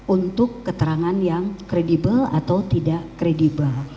untuk keterangan yang credible atau tidak credible